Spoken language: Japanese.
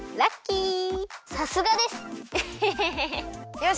よし！